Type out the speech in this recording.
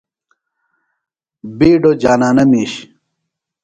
بِیڈوۡ جانانہ میِش۔